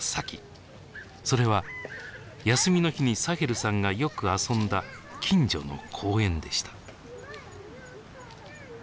それは休みの日にサヘルさんがよく遊んだ近所の公園でした。